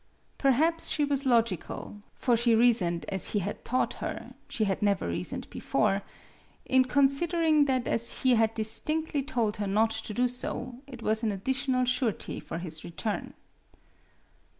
Perhaps she was logical (for she rea soned as he had taught her she had never reasoned before) in considering that as he had distinctly told her not to do so, it was an additional surety for his return.